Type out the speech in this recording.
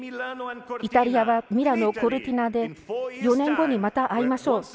イタリアはミラノ・コルティナで４年後に、また会いましょう。